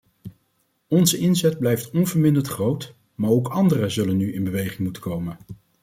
Onze inzet blijft onverminderd groot, maar ook anderen zullen nu in beweging moeten komen.